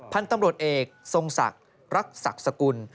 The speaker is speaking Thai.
พันธุ์ตำรวจเอกทรงศักดิ์รักศักดิ์สกุล